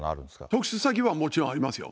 特殊詐欺はもちろんありますよ。